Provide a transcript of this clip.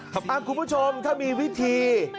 คุณผู้ชมถ้ามีวิธี